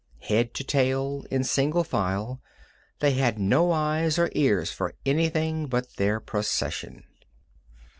Head to tail, in single file, they had no eyes or ears for anything but their procession.